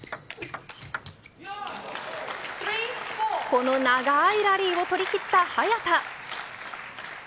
この長いラリーを取り切った早田。